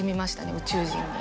宇宙人に。